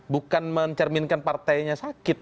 bukan mencerminkan partainya sakit